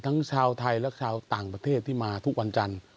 ชาวไทยและชาวต่างประเทศที่มาทุกวันจันทร์